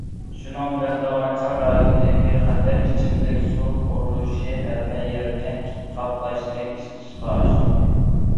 شۇنىڭ بىلەن، داۋانچىڭ رايونى بىخەتەر ئىچىملىك سۇ قۇرۇلۇشى ھەممە يەرنى قاپلاشنى ئىشقا ئاشۇردى.